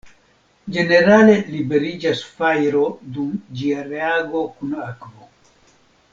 Ĝenerale liberiĝas fajro dum ĝia reago kun akvo.